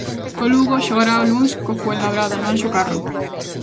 O Lugo xogará o luns co Fuenlabrada no Anxo Carro.